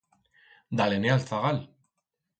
Da-le-ne a'l zagal.